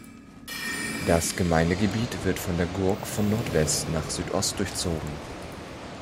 Das Gemeindegebiet wird von der Gurk von Nordwest nach Südost durchzogen.